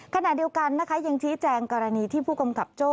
ขณะเดียวกันนะคะยังชี้แจงกรณีที่ผู้กำกับโจ้